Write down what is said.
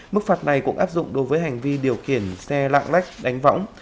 mức phạt này cũng áp dụng đối với hành vi điều khiển xe lạng lách đánh võng